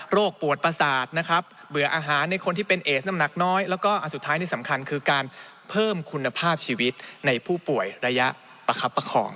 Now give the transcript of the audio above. ปวดประสาทนะครับเบื่ออาหารในคนที่เป็นเอสน้ำหนักน้อยแล้วก็อันสุดท้ายนี่สำคัญคือการเพิ่มคุณภาพชีวิตในผู้ป่วยระยะประคับประคอง